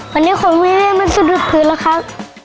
วันนี้คงไม่ได้มันสะดุดพื้นแล้วครับ